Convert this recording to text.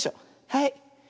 はい。